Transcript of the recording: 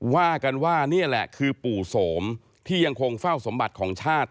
ว่ากันว่านี่แหละคือปู่โสมที่ยังคงเฝ้าสมบัติของชาติ